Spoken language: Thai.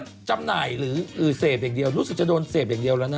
ขนวดจำไหนหรือหือเศษอย่างเดียวรู้สึกจะโดนเศษอย่างเดียวแล้วนะ